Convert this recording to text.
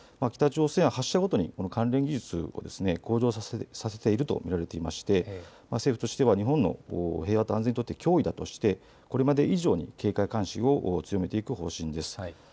北朝鮮は発射ごとに関連技術を向上させていると見られていまして政府としては日本の平和と安全にとって脅威だとしてこれまで以上に警戒監視を強めていく方針です。